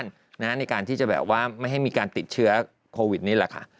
ในการที่จะแบบว่าไม่ให้มีการติดเชื้อโควิดนี่แหละค่ะ